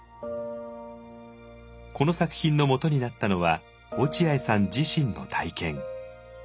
この作品のもとになったのは落合さん自身の体験。